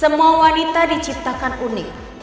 semua wanita diciptakan unik